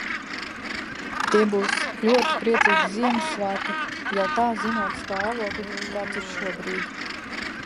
Tie būs ļoti priecīgi Ziemassvētki, jau tā zinot stāvokli, kāds ir šobrīd.